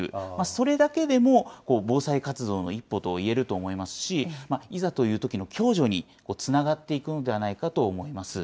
それだけでも、防災活動の一歩といえると思いますし、いざというときの共助につながっていくのではないかと思います。